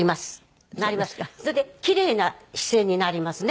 それで奇麗な姿勢になりますね。